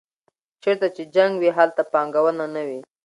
چېرته چې جنګ وي هلته پانګونه نه وي.